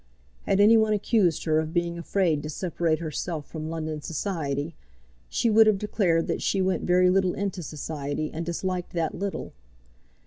Had any one accused her of being afraid to separate herself from London society, she would have declared that she went very little into society and disliked that little.